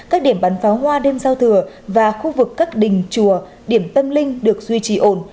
các điểm bắn pháo hoa đêm giao thừa và khu vực các đình chùa điểm tâm linh được duy trì ổn